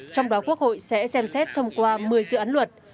trong đó quốc hội sẽ xem xét thông qua một mươi dự án luật